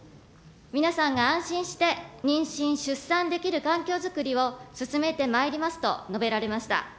皆さんが安心して妊娠、出産できる環境づくりを進めてまいりますと述べられました。